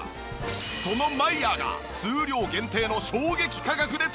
そのマイヤーが数量限定の衝撃価格で登場。